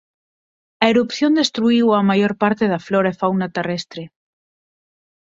A erupción destruíu a maior parte da flora e fauna terrestre.